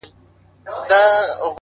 په قسمت کي بری زما وو رسېدلی!